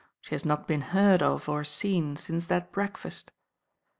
She has not been heard of or seen since that breakfast.